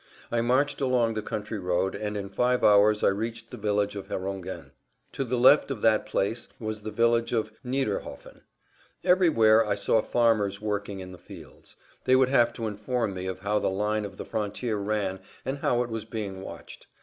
I marched along the country road and in five hours I reached the village of Herongen. To the left of that place was the village of Niederhofen. Everywhere I saw farmers working in the fields. They would have to inform me of how the line of the frontier ran and how it was being watched.